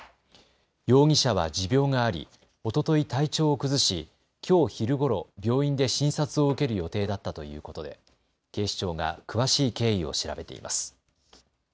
容疑者は持病がありおととい体調を崩しきょう昼ごろ病院で診察を受ける予定だったということで警視庁が詳しい経緯を調べています。